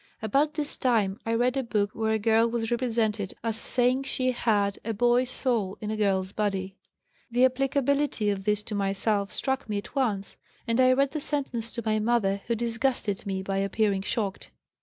About this time I read a book where a girl was represented as saying she had a 'boy's soul in a girl's body.' The applicability of this to myself struck me at once, and I read the sentence to my mother who disgusted me by appearing shocked.